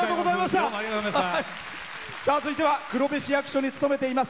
続いては黒部市役所に勤めています。